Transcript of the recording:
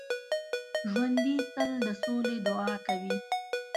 ژوندي تل د سولې دعا کوي